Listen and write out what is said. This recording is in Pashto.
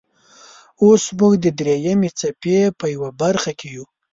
اوس موږ د دریمې څپې په یوه برخې کې یو.